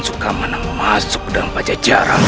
sukamana masuk dalam pajajaran